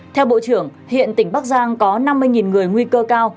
theo bộ trưởng hiện tỉnh bắc giang có năm mươi người nguy cơ cao